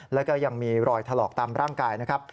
แล้วก็ยังมีรอยถลอกตามร่างกายนะครับ